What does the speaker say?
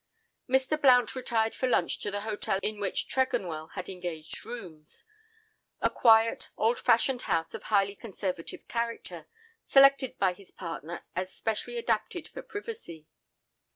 Mr. Blount retired for lunch to the hotel in which Tregonwell had engaged rooms—a quiet, old fashioned house of highly conservative character, selected by his partner as specially adapted for privacy.